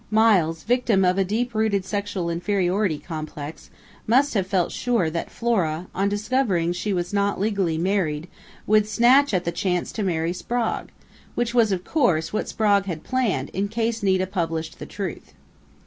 "Miles, victim of a deep rooted sexual inferiority complex, must have felt sure that Flora, on discovering she was not legally married, would snatch at the chance to marry Sprague which was of course what Sprague had planned in case Nita published the truth."